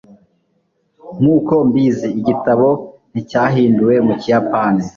nkuko mbizi, igitabo nticyahinduwe mu kiyapani